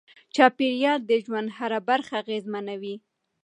چاپیریال د ژوند هره برخه اغېزمنوي.